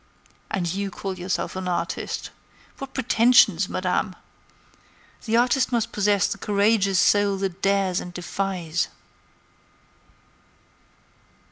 "And you call yourself an artist! What pretensions, Madame! The artist must possess the courageous soul that dares and defies."